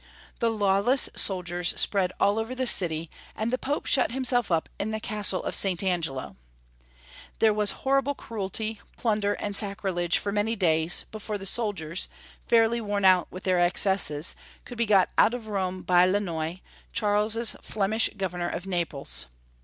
The lawless soldiers spread all over the city, and the Pope shut himself up in the Castle of St. Angelo. There was horrible cruelty, plunder, and sacrilege for many days, before the soldiers, fairly worn out with their excesses, could be got out of Rome by Lannoy, Charles's Flemish governor of Naples.